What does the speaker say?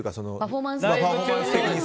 パフォーマンス的に。